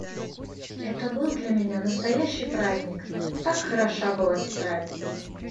Это был для меня настоящий праздник, так хороша была тетрадь!